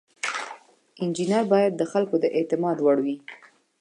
انجینر باید د خلکو د اعتماد وړ وي.